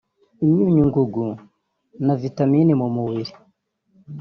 imyunyungugu na vitamini mu mubiri